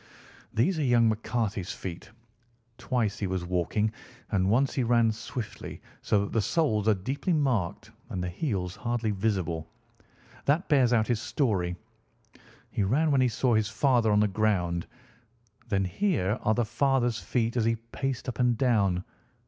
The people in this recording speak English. "These are young McCarthy's feet. Twice he was walking, and once he ran swiftly, so that the soles are deeply marked and the heels hardly visible. That bears out his story. He ran when he saw his father on the ground. Then here are the father's feet as he paced up and down.